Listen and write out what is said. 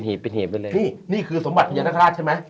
นี่คือสมบัติพัญญาณราชใช่ไหม